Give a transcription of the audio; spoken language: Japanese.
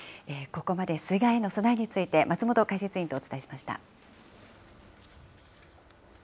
ここまで水害への備えについて、松本解説委員とお伝えしました。